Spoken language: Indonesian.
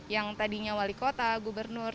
yang tadinya wali kota gubernur